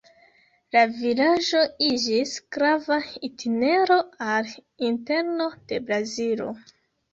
La vilaĝo iĝis grava itinero al interno de Brazilo.